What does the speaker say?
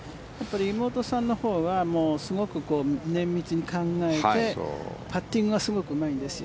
妹さんのほうはすごく綿密に考えてパッティングがすごくうまいんです。